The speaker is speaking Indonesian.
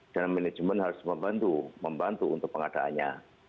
dan manajemen harus membantu membantu untuk pengadaannya